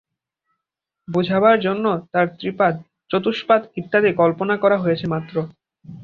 বোঝাবার জন্য তাঁর ত্রিপাদ, চতুষ্পাদ ইত্যাদি কল্পনা করা হয়েছে মাত্র।